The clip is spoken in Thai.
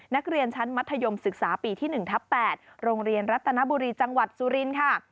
นักเรียนชั้นมัธยมศึกษาปีที่๑ทับ๘โรงเรียนรัตนบุรีจังหวัดสุรินทร์ค่ะ